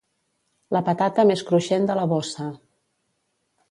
La patata més cruixent de la bossa.